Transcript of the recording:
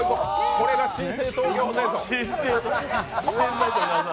これが新生東京ホテイソン。